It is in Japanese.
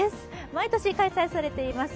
毎年開催されています